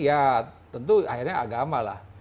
ya tentu akhirnya agama lah